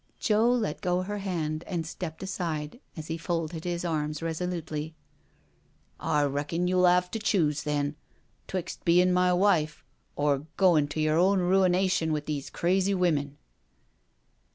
Joe let go her hand and stepped aside as he folded his arms resolutely. " I reckon you'll 'ave to choose, then, 'twixt bein' my wife, or goin' to your own ruination with these crazy women."